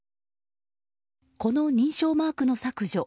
この認証マークの削除。